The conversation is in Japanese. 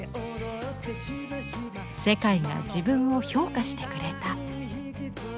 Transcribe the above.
「世界が自分を評価してくれた！」。